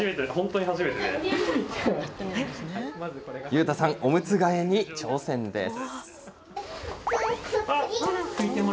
ゆうたさん、おむつ替えに挑戦です。